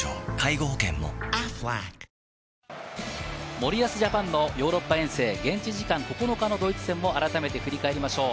森保ＪＡＰＡＮのヨーロッパ遠征、現地時間９日のドイツ戦を改めて振り返りましょう。